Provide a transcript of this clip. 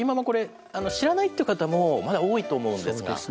これ知らないという方もまだ多いと思うんですが。